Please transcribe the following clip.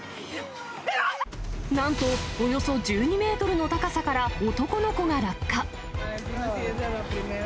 なんとおよそ１２メートルの高さから男の子が落下。